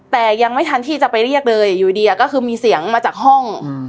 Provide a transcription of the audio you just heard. แต่ยังไม่ทันที่จะไปเรียกเลยอยู่ดีก็คือมีเสียงมาจากห้อง